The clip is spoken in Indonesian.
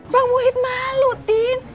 bang muhid malu tin